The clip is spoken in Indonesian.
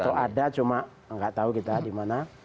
itu ada cuma nggak tahu kita di mana